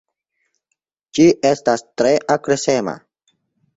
Ĝi estas tre agresema.